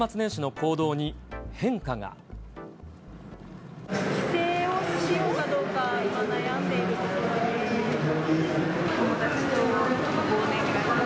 帰省をしようかどうか、今、悩んでいるところです。